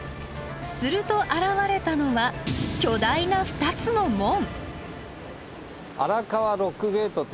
すると現れたのは巨大な２つの門。